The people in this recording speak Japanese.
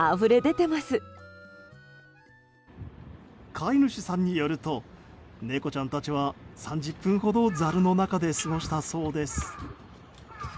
飼い主さんによると猫ちゃんたちは３０分ほどザルの中で過ごしたそうです。